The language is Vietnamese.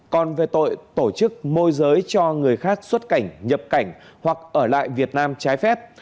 còn về tội tổ chức môi giới cho người khác xuất cảnh nhập cảnh hoặc ở lại việt nam trái phép